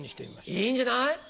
いいんじゃない。